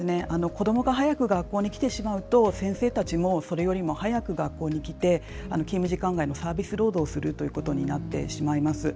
子どもが早く学校に来てしまうと先生たちも、それよりも早く学校に来て勤務時間前のサービス労働をすることになってしまいます。